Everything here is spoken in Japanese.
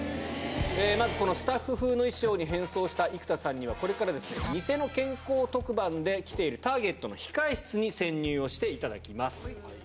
まずこのスタッフ風の衣装に変装した生田さんには、これから偽の健康特番で来ているターゲットの控え室に潜入をしていただきます。